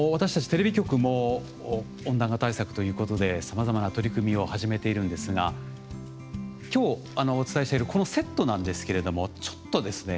テレビ局も温暖化対策ということでさまざまな取り組みを始めているんですが今日お伝えしているこのセットなんですけれどもちょっとですね